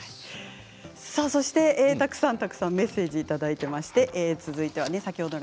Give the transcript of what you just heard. そしてたくさんたくさんメッセージいただいています。